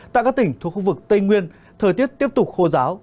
tại các tỉnh thuộc khu vực tây nguyên thời tiết tiếp tục khô giáo